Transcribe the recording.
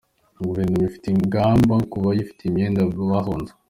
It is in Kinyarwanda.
Guverinoma ifite ingamba ku bayifitiye imyenda bahunze.